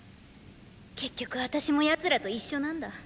結局あたしも奴らと一緒なんだ。